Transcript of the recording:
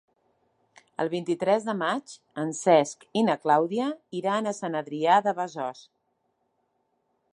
El vint-i-tres de maig en Cesc i na Clàudia iran a Sant Adrià de Besòs.